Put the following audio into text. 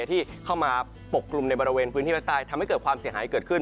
ที่เข้ามาปกกลุ่มในบริเวณพื้นที่ภาคใต้ทำให้เกิดความเสียหายเกิดขึ้น